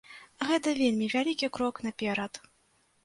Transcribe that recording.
Гэта вельмі вялікі крок наперад.